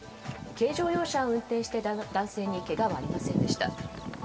軽乗用車を運転していた男性にけがはありませんでした。